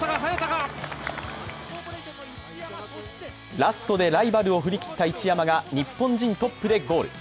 ラストでライバルを振り切った市山が日本人トップでゴール。